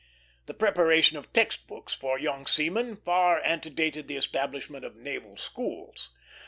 The preparation of text books for young seamen far antedated the establishment of naval schools.